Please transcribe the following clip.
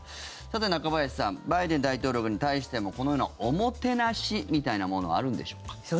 さて、中林さんバイデン大統領に対してもこのようなおもてなしみたいなものはあるんでしょうか。